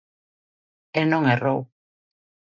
E non errou.